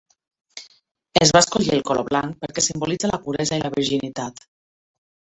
Es va escollir el color blanc perquè simbolitza la puresa i la virginitat.